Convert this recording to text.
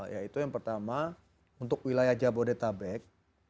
yaitu yang pertama untuk wilayah jabodetabek